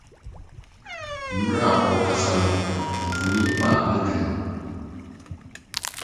Bere a ɔrekasa no, mfonini baa m'adwenem.